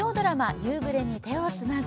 「夕暮れに、手をつなぐ」